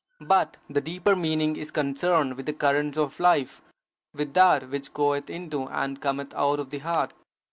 But the deeper meaning is concerned with the currents of life; with that which goeth into and cometh out of the heart.